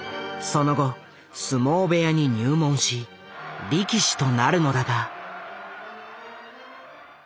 その後相撲部屋に入門し力士となるのだが。